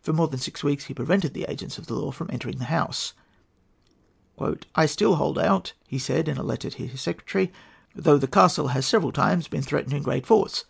For more than six weeks he prevented the agents of the law from entering the house. "I still hold out," he said in a letter to his secretary, "though the castle has several times been threatened in great force.